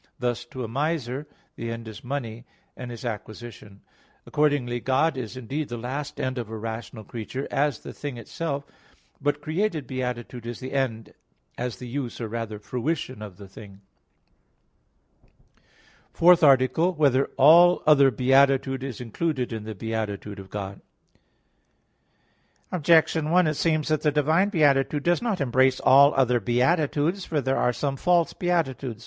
Thus to a miser the end is money, and its acquisition. Accordingly God is indeed the last end of a rational creature, as the thing itself; but created beatitude is the end, as the use, or rather fruition, of the thing. _______________________ FOURTH ARTICLE [I, Q. 26, Art. 4] Whether All Other Beatitude Is Included in the Beatitude of God? Objection 1: It seems that the divine beatitude does not embrace all other beatitudes. For there are some false beatitudes.